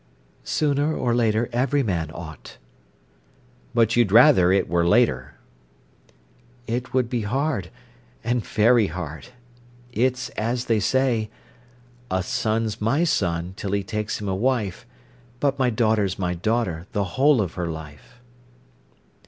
"Sooner or later every man ought." "But you'd rather it were later." "It would be hard—and very hard. It's as they say: "'A son's my son till he takes him a wife, But my daughter's my daughter the whole of her life.